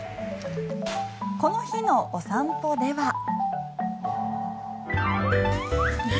この日のお散歩では。